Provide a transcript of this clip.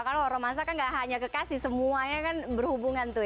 karena romansa kan gak hanya kekasih semuanya kan berhubungan tuh ya